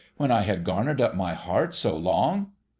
When I had garnered up my heart so long